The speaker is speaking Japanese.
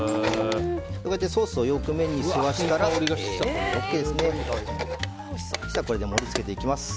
こうやってソースをよく麺に吸わせたら簡単ですよね。